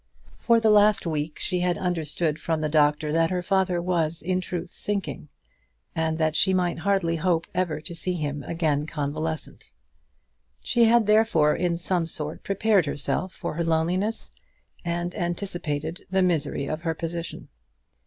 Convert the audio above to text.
For the last week she had understood from the doctor that her father was in truth sinking, and that she might hardly hope ever to see him again convalescent. She had therefore in some sort prepared herself for her loneliness, and anticipated the misery of her position.